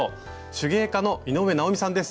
手芸家の井上直美さんです。